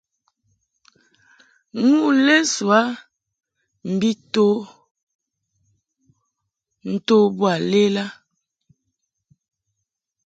Nu lesoa mbi to nto boa lela.